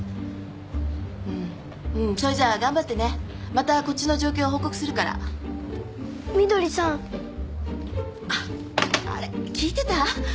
うんうんそれじゃあ頑張ってねまたこっちの状況報告するからみどりさんあっあれ？聞いてた？